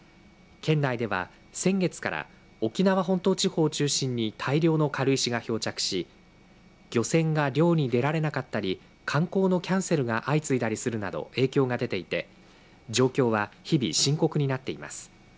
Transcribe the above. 県内では先月から沖縄本島地方を中心に大量の軽石が漂着し漁船が漁に出られなかったり観光のキャンセルが相次いだりするなど影響が出ていて状況は日々深刻になっています。